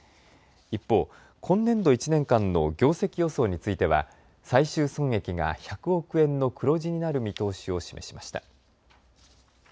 一方、今年度１年間の業績予想については最終損益が１００億円の黒字になる見通しを示しました。